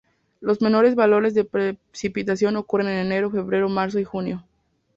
Los menores valores de precipitación ocurren en enero, febrero, marzo y junio.